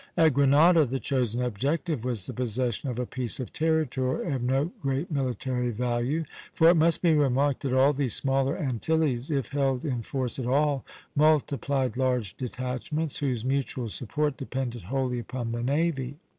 At Grenada the chosen objective was the possession of a piece of territory of no great military value; for it must be remarked that all these smaller Antilles, if held in force at all, multiplied large detachments, whose mutual support depended wholly upon the navy.